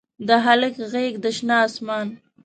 د هلک غیږ د شنه اسمان